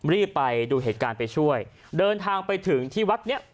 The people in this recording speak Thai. รีบไปดูเหตุการณ์ไปช่วยเดินทางไปถึงที่วัดเนี้ย